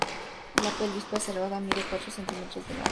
La pelvis preservada mide cuatro centímetros de largo.